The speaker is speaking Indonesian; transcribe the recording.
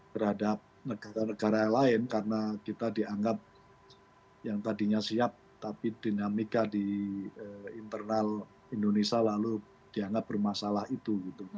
terhadap negara negara lain karena kita dianggap yang tadinya siap tapi dinamika di internal indonesia lalu dianggap bermasalah itu